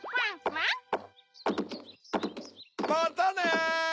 またね！